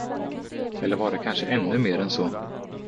Eller var det kanske ännu mera än så.